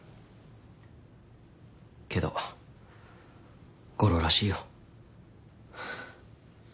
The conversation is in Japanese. けど悟郎らしいよ。